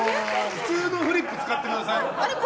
普通のフリップ使ってください。